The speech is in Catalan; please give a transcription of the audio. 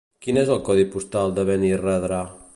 Quin és el codi postal de Benirredrà?